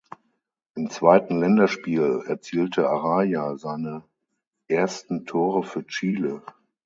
Im zweiten Länderspiel erzielte Araya seine ersten Tore für Chile.